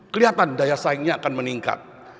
kelihatan daya saingnya akan meningkat